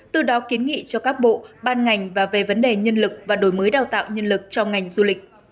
từ đó kiến nghị cho các bộ ban ngành và về vấn đề nhân lực và đổi mới đào tạo nhân lực cho ngành du lịch